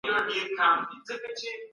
کندهاري خټګران له خټې څخه کوم لوښي جوړوي؟